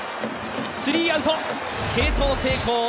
スリーアウト、継投成功。